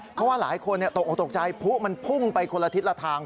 เพราะว่าหลายคนตกใจพลุมันพุ่งไปคนละทิตย์ละทาง